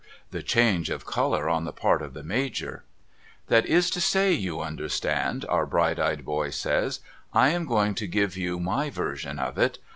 The change of colour on the part of the Major 1 ' That is to say, you understand,' our bright eyed boy says, ' I am going to give you my version of it.